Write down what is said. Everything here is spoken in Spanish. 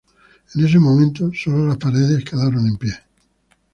En ese momento, sólo las paredes quedaron en pie.